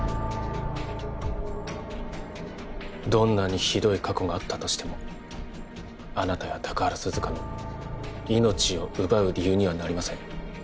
どんなにひどい過去があったとしてもあなたや高原涼香の命を奪う理由にはなりません